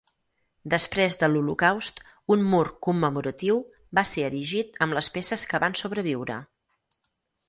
Després de l'Holocaust, un mur commemoratiu va ser erigit amb les peces que van sobreviure.